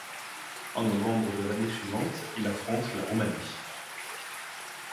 En novembre de l'année suivante, il affronte la Roumanie.